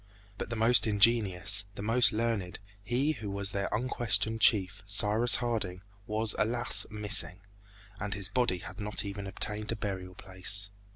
But the most ingenious, the most learned, he who was their unquestioned chief, Cyrus Harding, was, alas! missing, and his body had not even obtained a burial place.